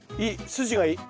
筋がいい。